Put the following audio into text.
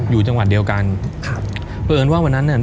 อยู่จังหวัดเดียวกัน